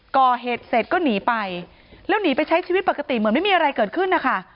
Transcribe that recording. ก่อเหตุเสร็จก็หนีไปแล้วหนีไปใช้ชีวิตปกติเหมือนไม่มีอะไรเกิดขึ้นนะคะ